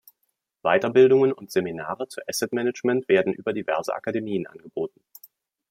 Weiterbildungen und Seminare zu Asset Management werden über diverse Akademien angeboten.